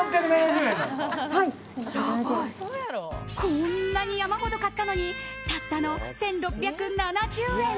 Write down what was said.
こんなに山ほど買ったのにたったの１６７０円。